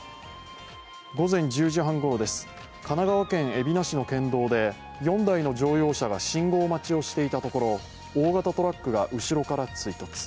午前１０時半ごろです、神奈川県海老名市の県道で４台の乗用車が信号待ちをしていたところ大型トラックが後ろから追突。